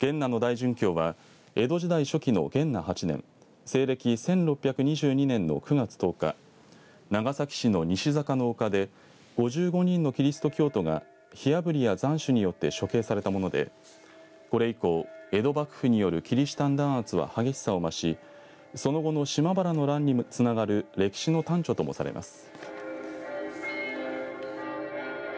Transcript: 元和の大殉教は江戸時代初期の元和８年、西暦１６２２年の９月１０日、長崎市の西坂の丘で５５人のキリスト教徒が火あぶりや斬首によって処刑されたものでこれ以降、江戸幕府によるキリシタン弾圧は激しさを増しその後の島原の乱にもつながる歴史の端緒ともされます。